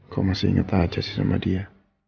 kok masih inget aja sih sama dia